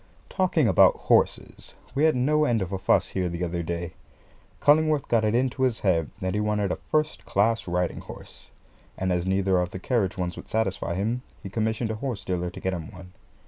Talking about horses, we had no end of a fuss here the other day. Cullingworth got it into his head that he wanted a first class riding horse; and as neither of the carriage ones would satisfy him, he commissioned a horse dealer to get him one.